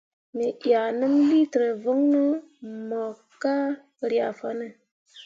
Me ʼyah nəm liiter voŋno mok ka ryah fanne.